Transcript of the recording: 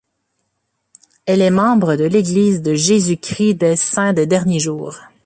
Elle est membre de l'église de Jésus-Christ des saints des derniers jours.